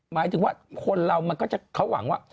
หมายถึงว่าคนเรามันก็จะเขาหวังว่า